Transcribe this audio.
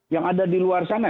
yang ada di luar sana